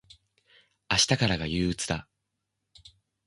明日からが憂鬱だ。